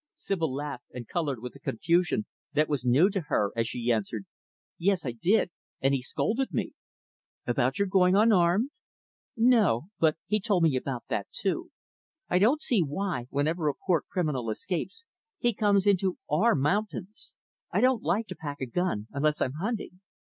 Sibyl laughed and colored with a confusion that was new to her, as she answered, "Yes, I did and he scolded me." "About your going unarmed?" "No, but he told me about that too. I don't see why, whenever a poor criminal escapes, he always comes into our mountains. I don't like to 'pack a gun' unless I'm hunting.